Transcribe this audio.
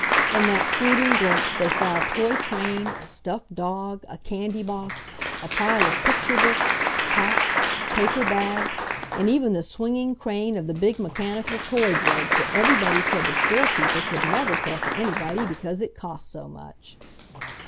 In that fleeting glimpse they saw a toy train, a stuffed dog, a candy box, a pile of picture books, tops, paper bags, and even the swinging crane of the big mechanical toy dredge that everybody said the storekeeper could never sell to anybody because it cost so much!